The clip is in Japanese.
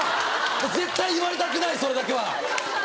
絶対言われたくないそれだけは。